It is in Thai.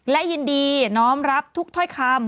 และยินดีน้อมรับทุกถ้อยคำ